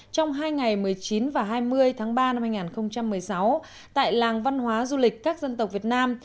trong hai ngày một mươi chín và hai mươi tháng ba năm hai nghìn một mươi sáu tại làng văn hóa du lịch các dân tộc việt nam